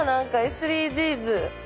ＳＤＧｓ。